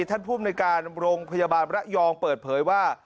ท่านภูมิในการโรงพยาบาลระยองเปิดเผยว่า